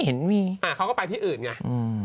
เออเค้าก็ไปที่อื่นไง